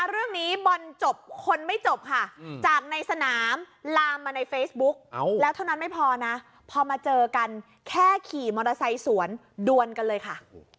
เรื่องนี้บอลจบคนไม่จบค่ะจากในสนามลามมาในเฟซบุ๊กแล้วเท่านั้นไม่พอนะพอมาเจอกันแค่ขี่มอเตอร์ไซค์สวนดวนกันเลยค่ะ